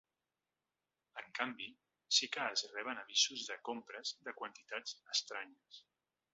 En canvi, sí que es reben avisos de compres de quantitats estranyes.